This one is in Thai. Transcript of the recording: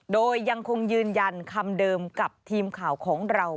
โดยยังคงยืนยันคำเดิมกับทีมข่าวของเรา